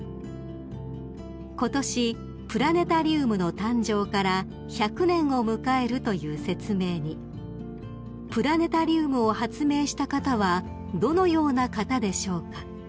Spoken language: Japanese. ［ことしプラネタリウムの誕生から１００年を迎えるという説明に「プラネタリウムを発明した方はどのような方でしょうか？」